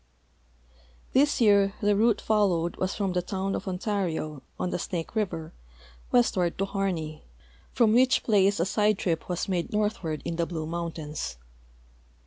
This year the route followed was from the town of Ontario, on the Snake river, westward to Harney, from which place a side THE SAGE PLAINS OF OREGON 397 trip was made northward in the Blue mountains.